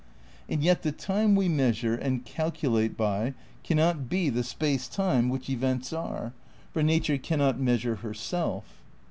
And yet the time we measure and calculate by cannot be the space time which events are, for Nature cannot measure her self.